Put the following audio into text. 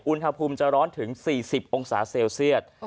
อุณหภูมิจะร้อนถึง๔๐องศาเซลเซียต